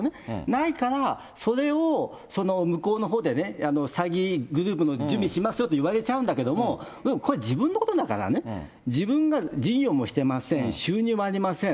ないから、それをその向こうのほうでね、詐欺グループの準備しますよって、言われちゃうんだけども、これ、自分のことだからね、自分も事業もしてません、収入もありません。